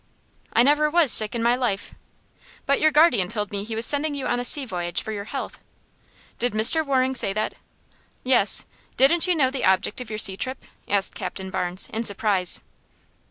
"I never was sick in my life." "But your guardian told me he was sending you on a sea voyage for your health." "Did Mr. Waring say that?" "Yes; didn't you know the object of your sea trip?" asked Capt. Barnes, in surprise.